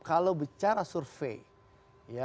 kalau bicara survei